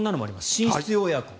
寝室用エアコン。